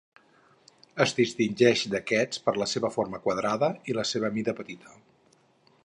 Es distingeix d'aquests per la seva forma quadrada i la seva mida petita.